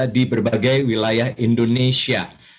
di berbagai wilayah indonesia